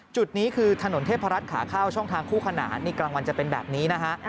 จุดนี้คือถนนเทพรัฐขาเข้าช่องทางคู่ขนานนี่กลางวันจะเป็นแบบนี้นะฮะ